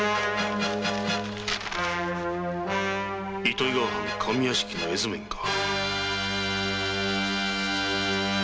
糸魚川藩上屋敷の絵図面か。